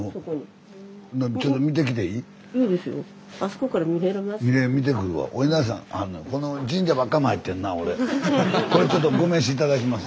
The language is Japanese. これちょっとご名刺頂きます。